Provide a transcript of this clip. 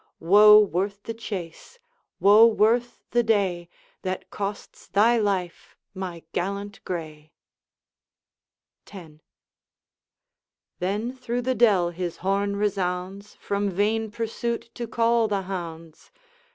Woe worth the chase, woe worth the day, That costs thy life, my gallant gray!' X. Then through the dell his horn resounds, From vain pursuit to call the hounds.